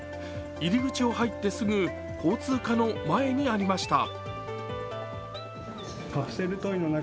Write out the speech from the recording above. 入り口を入ってすぐ交通課の前にありました。